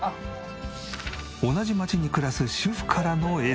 同じ町に暮らす主婦からのＳＯＳ。